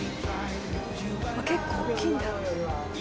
結構大きいんだ。